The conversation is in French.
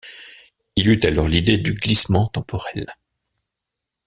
Il eut alors l'idée du glissement temporel.